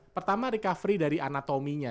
pertama recovery dari anatominya